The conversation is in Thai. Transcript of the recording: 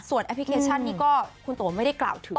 ส่วนแอปพลิเคชันนี้ก็คุณโต๊ะไม่ได้กล่าวถึงนะคะ